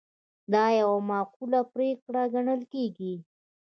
دا یوه معقوله پرېکړه ګڼل کیږي.